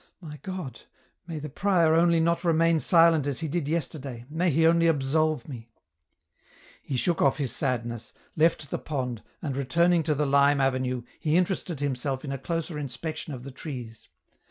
My God ! may the prior only not remain silent as he did yesterday, may he only absolve me !" He shook off his sadness, left the pond, and returning to the lime avenue, he interested himself in a closer inspection of the trees.